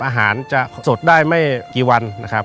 อาหารจะสดได้ไม่กี่วันนะครับ